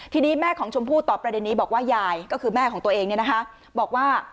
ทีนี้แม่ของชมพู่ตอบประเด็นนี้บอกว่ายายก็คือแม่ของตัวเองเนี่ยนะคะบอกว่า